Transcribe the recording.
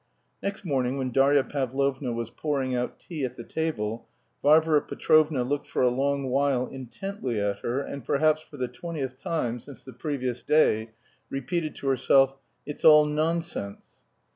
Next morning when Darya Pavlovna was pouring out tea at the table Varvara Petrovna looked for a long while intently at her and, perhaps for the twentieth time since the previous day, repeated to herself: "It's all nonsense!"